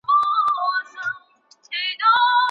ملګرتيا امتحان غواړي.